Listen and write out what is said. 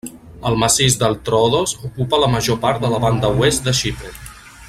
El massís del Tróodos ocupa la major part de la banda oest de Xipre.